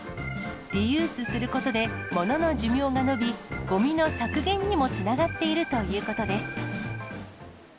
リユースすることで物の寿命が延び、ごみの削減にもつながっているということです。